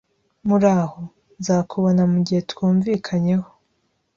Muraho. Nzakubona mugihe twumvikanyeho